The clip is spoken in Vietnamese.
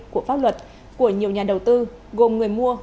của pháp luật của nhiều nhà đầu tư gồm người mua